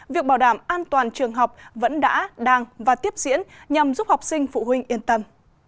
việc bảo đảm an toàn trường học vẫn đã đang và tiếp diễn nhằm giúp học sinh phụ huynh yên tâm